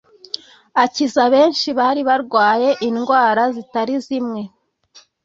Akiza benshi bari barwaye indwara zitari zimwe